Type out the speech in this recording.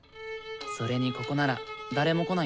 それにここなら誰も来ないよ。